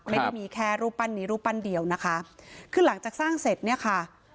ไม่ได้มีแค่รูปปั้นนี้รูปปั้นเดียวนะคะคือหลังจากสร้างเสร็จเนี่ยค่ะ